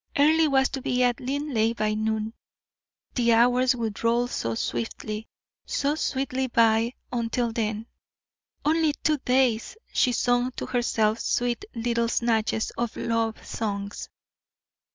Earle was to be at Linleigh by noon. The hours would roll so swiftly, so sweetly by until then. Only two days! She sung to herself sweet little snatches of love songs.